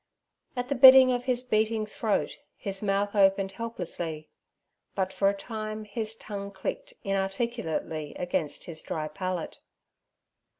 At the bidding of his beating throat his mouth opened helplessly, but for a time his tongue clicked inarticulately against his dry palate.